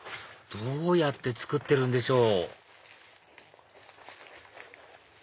どうやって作ってるんでしょう？